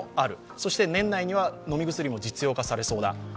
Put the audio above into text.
そして年内には飲み薬も実用化されそうだ。